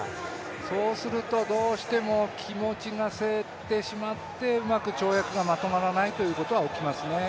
そうすると、どうしても気持ちがせってしまってうまく跳躍がまとまらないということは起きますね。